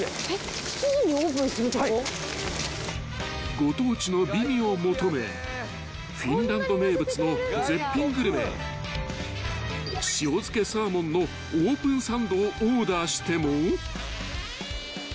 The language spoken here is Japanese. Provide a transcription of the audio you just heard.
［ご当地の美味を求めフィンランド名物の絶品グルメ塩漬けサーモンのオープンサンドをオーダーしても］